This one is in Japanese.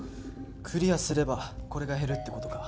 クリアすればこれが減るって事か。